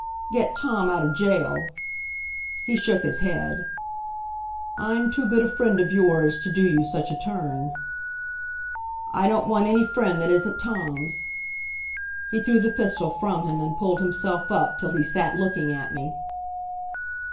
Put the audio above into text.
"Get Tom out of jail." He shook his head. "I'm too good a friend of yours to do you such a turn." "I don't want any friend that isn't Tom's." He threw the pistol from him and pulled himself up, till he sat looking at me.